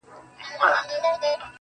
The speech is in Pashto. هسي بیا نه راځو، اوس لا خُمار باسه,